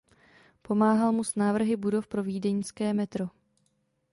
Pomáhal mu s návrhy budov pro vídeňské metro.